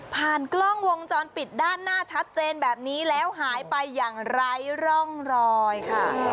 กล้องวงจรปิดด้านหน้าชัดเจนแบบนี้แล้วหายไปอย่างไร้ร่องรอยค่ะ